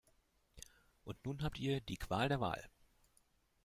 Und nun habt ihr die Qual der Wahl.